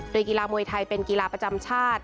โดยกีฬามวยไทยเป็นกีฬาประจำชาติ